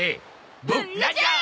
ブ・ラジャー！